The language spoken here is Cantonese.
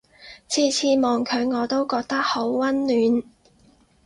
次次望佢我都覺得好溫暖